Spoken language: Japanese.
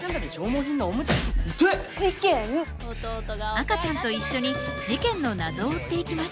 赤ちゃんと一緒に事件の謎を追っていきます。